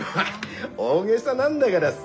大げさなんだがらさ